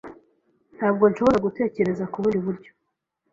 Ntabwo nshobora gutekereza kubundi buryo.